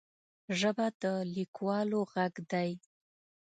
ژبه د لیکوالو غږ دی